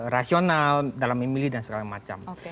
rasional dalam memilih dan segala macam